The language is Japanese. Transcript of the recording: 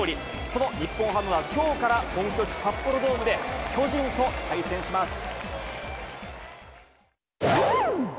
その日本ハムはきょうから本拠地、札幌ドームで巨人と対戦します。